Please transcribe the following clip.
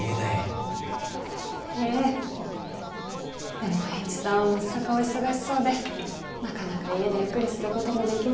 でも栄一さんはまっさかお忙しそうでなかなか家でゆっくりすることもできねぇんです。